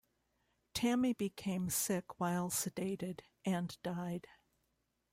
Tammy became sick while sedated and died.